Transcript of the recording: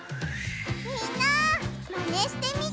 みんなマネしてみてね！